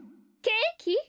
ケーキ？